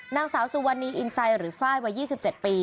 นางสาวสุวรรณีอินไซหรือไฟล์วัย๒๗ปี